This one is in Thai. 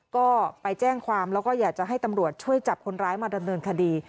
ก็ไปแจ้งความแล้วก็อยากจะให้ตำรวจช่วยจับคนร้ายมาดำเนินคดี